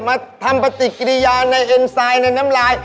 มาทำปฏิกิริยาในเอ็นไซด์ในน้ำลาย